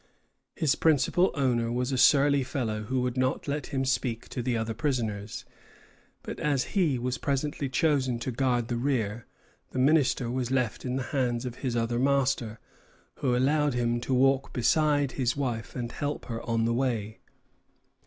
His principal owner was a surly fellow who would not let him speak to the other prisoners; but as he was presently chosen to guard the rear, the minister was left in the hands of his other master, who allowed him to walk beside his wife and help her on the way.